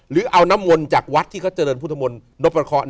หรือเอาน้ำมลจากวัดที่เค้าเจริญพุทธมนตร์